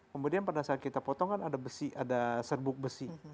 kemudian pada saat kita potong kan ada serbuk besi